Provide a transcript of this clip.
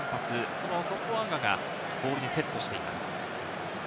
そのソポアンガがボールにセットしています。